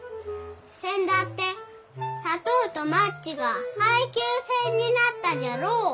せんだって砂糖とマッチが配給制になったじゃろお。